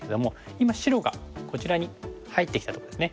今白がこちらに入ってきたとこですね。